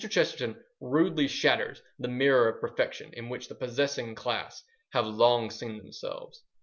Chesterton rudely shatters the mirror of perfection in which the possessing class have long seen themselves.